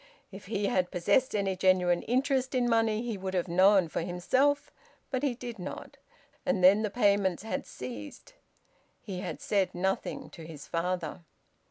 If he had possessed any genuine interest in money, he would have known for himself; but he did not. And then the payments had ceased. He had said nothing to his father.